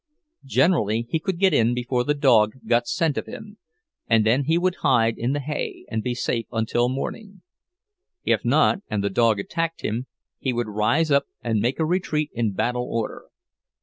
Generally he could get in before the dog got scent of him, and then he would hide in the hay and be safe until morning; if not, and the dog attacked him, he would rise up and make a retreat in battle order.